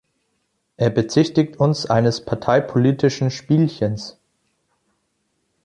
Er bezichtigt uns eines parteipolitischen Spielchens.